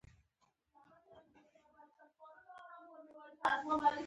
بیا رغونه په افغانستان کې څومره شوې؟